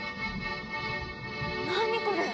何これ？